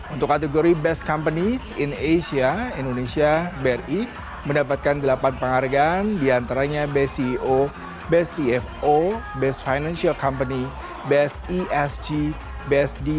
untuk kategori best companies in asia indonesia bri mendapatkan delapan penghargaan diantaranya best ceo best cfo best financial company best esg best dei best investor relations best large cap company dan best management